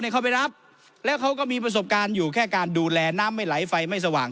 เขาไปรับแล้วเขาก็มีประสบการณ์อยู่แค่การดูแลน้ำไม่ไหลไฟไม่สว่าง